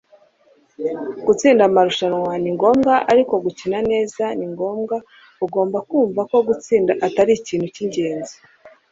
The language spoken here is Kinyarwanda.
Gutsinda amarushanwa ni ngombwa Ariko gukina neza ni ngombwa Ugomba kumva ko gutsinda atari ikintu cyingenzi